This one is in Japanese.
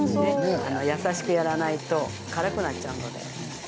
優しくやらないとかたくなっちゃう。